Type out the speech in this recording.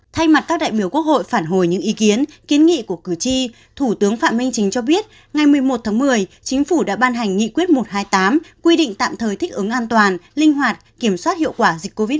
thay mặt các đại biểu quốc hội phản hồi những ý kiến kiến nghị của cử tri thủ tướng phạm minh chính cho biết ngày một mươi một tháng một mươi chính phủ đã ban hành nghị quyết một trăm hai mươi tám quy định tạm thời thích ứng an toàn linh hoạt kiểm soát hiệu quả dịch covid một mươi chín